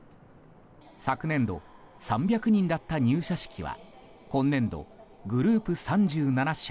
昨年度、３００人だった入社式は今年度グループ３７社